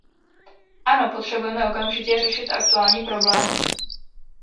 Ano, potřebujeme okamžitě řešit aktuální problémy.